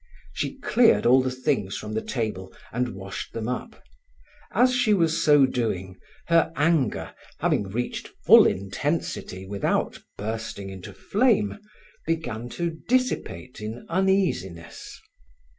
She cleared all the things from the table and washed them up. As she was so doing, her anger, having reached full intensity without bursting into flame, began to dissipate in uneasiness.